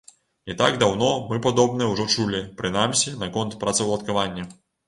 Не так даўно мы падобнае ўжо чулі, прынамсі, наконт працаўладкавання.